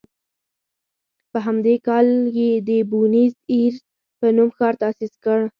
په همدې کال یې د بونیس ایرس په نوم ښار تاسیس کړ.